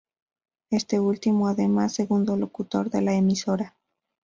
Este último, además, segundo locutor de la emisora.